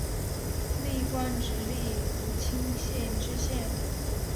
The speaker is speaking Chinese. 历官直隶武清县知县。